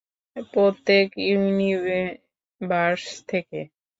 প্রত্যেক ইউনিভার্স থেকে?